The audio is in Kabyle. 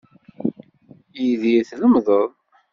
Idir tlemdeḍ.